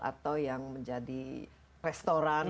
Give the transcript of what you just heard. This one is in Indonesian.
atau yang menjadi restoran